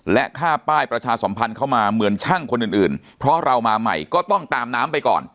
และค่าป้ายประชาสมพันธ์เข้ามาเหมือนช่างคนอื่นเพราะเรามาใหม่ก็ต้องตามน้ำไปก่อน